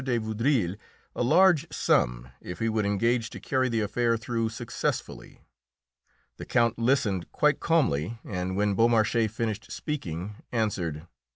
de Vaudreuil a large sum if he would engage to carry the affair through successfully. The Count listened quite calmly, and when Beaumarchais finished speaking, answered: "M.